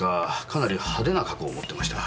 かなり派手な過去を持ってました。